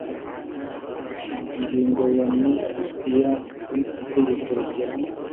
ngingo ya n iya z itegeko rigena